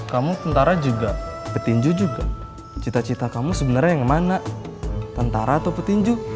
kamu tentara juga petinju juga cita cita kamu sebenarnya yang mana tentara atau petinju